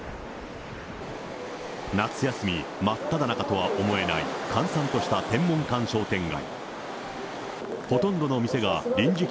夏休み真っただ中とは思えない閑散とした天文館商店街。